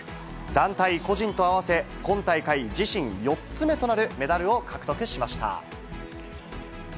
団体、個人と合わせ、今大会自身４つ目となるメダルを獲得しました。